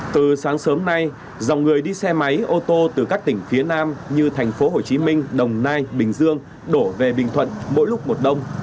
từ sáng sớm nay dòng người đi xe máy ô tô từ các tỉnh phía nam như thành phố hồ chí minh đồng nai bình dương đổ về bình thuận mỗi lúc một đông